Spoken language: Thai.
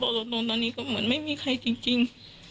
รถนอนตอนนี้ก็เหมือนไม่มีใครจริง